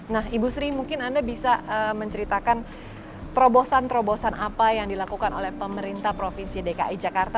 nah ibu sri mungkin anda bisa menceritakan terobosan terobosan apa yang dilakukan oleh pemerintah provinsi dki jakarta